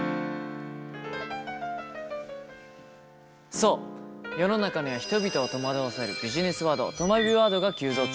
そう世の中には人々を戸惑わせるビジネスワードとまビワードが急増中。